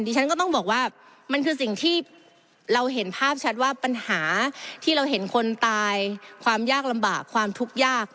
ฉันก็ต้องบอกว่ามันคือสิ่งที่เราเห็นภาพชัดว่าปัญหาที่เราเห็นคนตายความยากลำบากความทุกข์ยาก